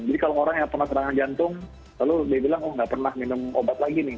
jadi kalau orang yang pernah serangan jantung lalu dia bilang oh nggak pernah minum obat lagi nih